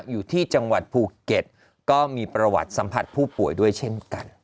อยู่ที่จังหวัดภูเก็ตก็มีประวัติสัมผัสผู้ป่วยด้วยเช่นกัน